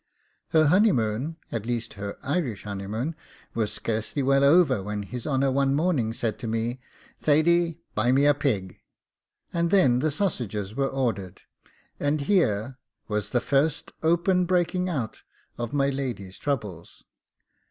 Her honeymoon, at least her Irish honeymoon, was scarcely well over, when his honour one morning said to me, 'Thady, buy me a pig!' and then the sausages were ordered, and here was the first open breaking out of my lady's troubles.